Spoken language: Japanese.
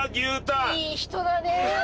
いい人だね。